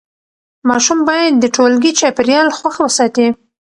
ماشوم باید د ټولګي چاپېریال خوښ وساتي.